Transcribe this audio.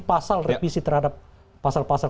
pasal revisi terhadap pasal pasal